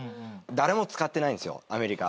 誰も使ってないんですよアメリカ。